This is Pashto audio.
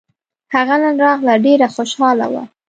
هغه نن راغله ډېره خوشحاله وه